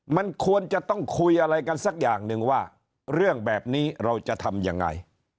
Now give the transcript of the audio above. มันควรจะต้องคุยอะไรกันสักอย่างหนึ่งว่าเรื่องแบบนี้เราจะทำยังไง